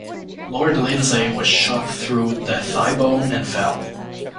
Lord Lindsey was shot through the thigh bone, and fell.